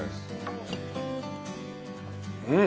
うん！